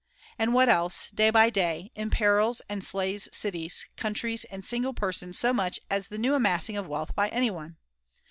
And what else, day by day, imperils and slays cities, countries and single persons so much as the new amassing of wealth by anyone